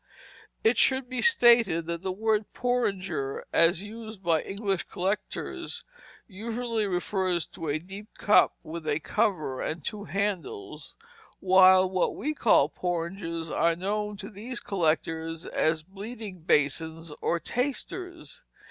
It should be stated that the word porringer, as used by English collectors, usually refers to a deep cup with a cover and two handles, while what we call porringers are known to these collectors as bleeding basins or tasters.